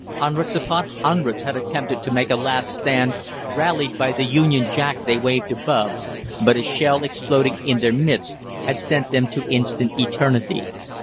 Hundreds upon hundreds had attempted to make a last stand, rallied by the Union Jack they waved above, but a shell exploding in their midst had sent them to instant eternity.